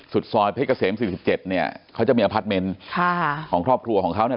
สุดซอยเพชรเกษม๔๗เขาจะมีอพาร์ทเมนต์ของครอบครัวของเขา